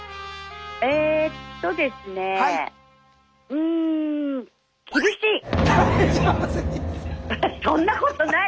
えっとですねえうんそんなことない！